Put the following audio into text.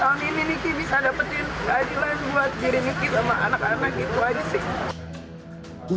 tahun ini niki bisa dapetin keadilan buat diri nikit sama anak anak itu aja sih